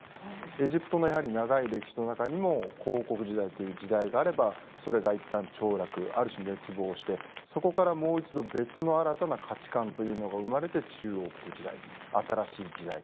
エジプトの長い歴史の中にも古王国時代という時代があればそれが一旦凋落ある種滅亡してそこからもう一度別の新たな価値観というのが生まれて中王国時代新しい時代。